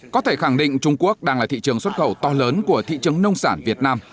có thể khẳng định trung quốc đang là thị trường xuất khẩu to lớn của thị trường nông sản việt nam